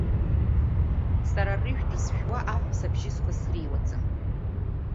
Сара арыжәтә зжәуа аҳәса бжьысқәа среиуаӡам…